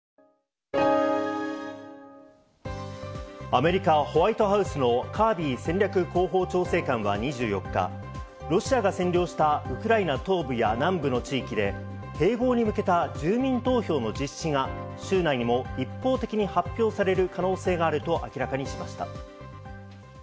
アメリカ・ホワイトハウスのカービー戦略広報調整官は２４日、ロシアが占領したウクライナ東部や南部の地域で、併合に向けた住民投票の実施が週内にも一方的に発表される可能性があると明らかにしました。